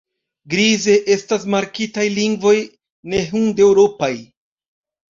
Grize estas markitaj lingvoj nehindeŭropaj.